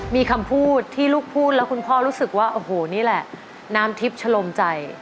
มีคำพูดที่ลูกพูดแล้วคุณพ่อรู้สึกว่าโอ้โหนี่แหละน้ำทิพย์ชะลมใจ